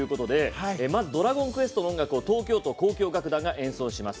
まず、「ドラゴンクエスト」の音楽を東京都交響楽団が演奏します。